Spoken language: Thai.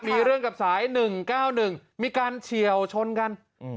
มีเรื่องกับสายหนึ่งเก้าหนึ่งมีการเชียวชนกันอืม